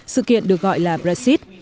sự kiện được gọi là brexit